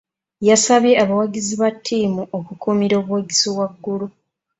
Yasabye abawagizi ba ttiimu okukuumira obuwagazi waggulu.